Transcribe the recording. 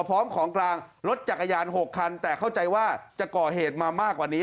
พร้อมของกลางรถจักรยาน๖คันแต่เข้าใจว่าจะก่อเหตุมามากกว่านี้